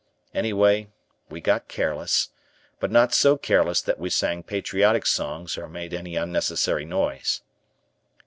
Anyway, we got careless, but not so careless that we sang patriotic songs or made any unnecessary noise.